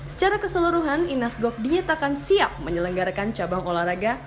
secara keseluruhan inas gok dinyatakan siap menyelenggarakan cabang olahraga tiga x tiga